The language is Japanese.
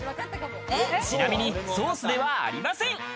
ちなみにソースではありません。